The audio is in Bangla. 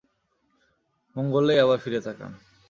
মঙ্গলেই আবার ফিরে তাকান।